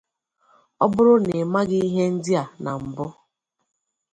Ọ bụrụ na ị maghị ihe ndị a na mbụ